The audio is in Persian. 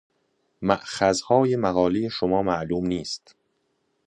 مأخذهای مقالهٔ شما معلوم نیست.